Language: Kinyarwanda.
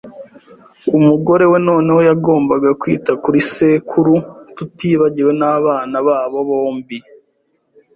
Umugore we noneho yagombaga kwita kuri sekuru, tutibagiwe nabana babo bombi